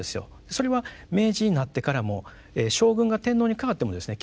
それは明治になってからも将軍が天皇にかわってもですね